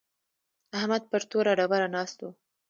احمد پر توره ډبره ناست و.